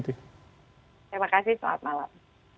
terima kasih selamat malam